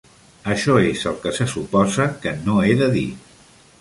Això és el que se suposa que no he de dir.